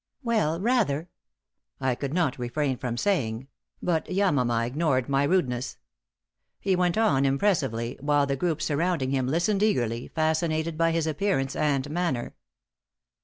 "Well, rather!" I could not refrain from saying, but Yamama ignored my rudeness. He went on impressively, while the group surrounding him listened eagerly, fascinated by his appearance and manner.